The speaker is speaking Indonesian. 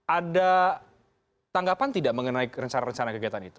ada tanggapan tidak mengenai rencana rencana kegiatan itu